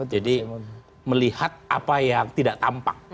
jadi melihat apa yang tidak tampak